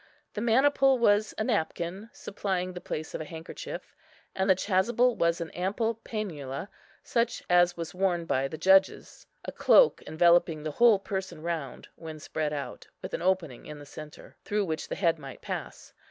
The maniple was a napkin, supplying the place of a handkerchief; and the chasuble was an ample pænula, such as was worn by the judges, a cloak enveloping the whole person round, when spread out, with an opening in the centre, through which the head might pass.